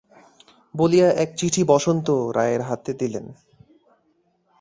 বলিয়া এক চিঠি বসন্ত রায়ের হাতে দিলেন।